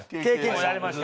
もうやりました。